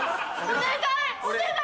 お願い！